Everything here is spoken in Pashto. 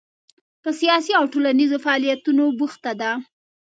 په سیاسي او ټولنیزو فعالیتونو بوخته ده.